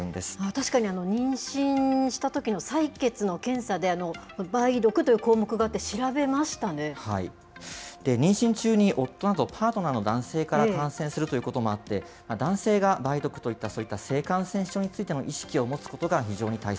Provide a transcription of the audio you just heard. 確かに妊娠したときの採血の検査で、梅毒という項目があって、妊娠中に、夫など、パートナーの男性から感染するということもあって、男性が梅毒といった、そういった性感染症についての意識を持つこ